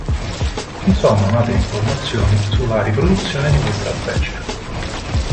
Non sono note informazioni sulla riproduzione di questa specie.